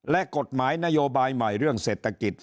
และกฎหมายนโยบายใหม่เรื่องเศรษฐกิจ